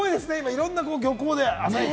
いろんな漁港で朝市。